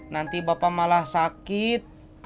nanti bapak malah sakit